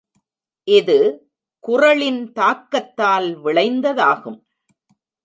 இது குறளின் தாக்கத்தால் விளைந்ததாகும்.